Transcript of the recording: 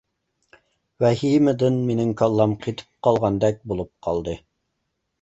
ۋەھىمىدىن مېنىڭ كاللام قېتىپ قالغاندەك بولۇپ قالدى.